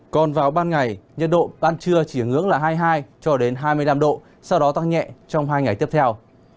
còn vào ban ngày nhiệt độ ban trưa chỉ ngưỡng là hai mươi hai hai mươi năm độ sau đó tăng nhẹ trong hai ngày tiếp theo